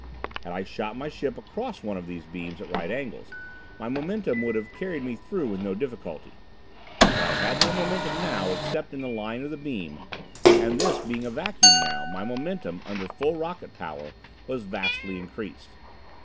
Had I shot my ship across one of these beams at right angles, my momentum would have carried me through with no difficulty. But I had no momentum now except in the line of the beam, and this being a vacuum now, my momentum, under full rocket power, was vastly increased.